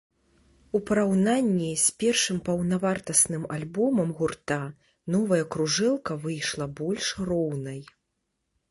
У параўнанні з першым паўнавартасным альбомам гурта, новая кружэлка выйшла больш роўнай.